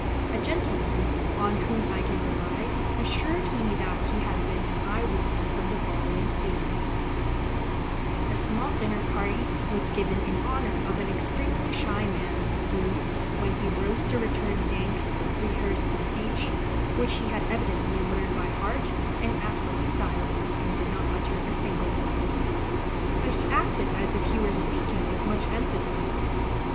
A gentleman, on whom I can rely, assured me that he had been an eye witness of the following scene:—A small dinner party was given in honour of an extremely shy man, who, when he rose to return thanks, rehearsed the speech, which he had evidently learnt by heart, in absolute silence, and did not utter a single word; but he acted as if he were speaking with much emphasis.